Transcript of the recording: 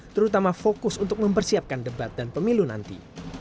terutama fokus untuk mempersiapkan debat dan pemilu nanti